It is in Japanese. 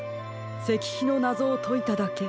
せきひのなぞをといただけ。